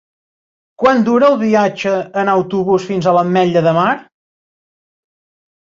Quant dura el viatge en autobús fins a l'Ametlla de Mar?